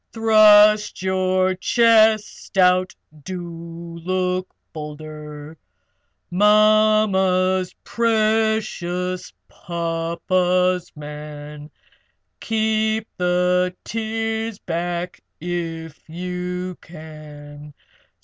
Thrust your chest out! Do look bolder! Mamma's precious papa's man Keep the tears back if you can.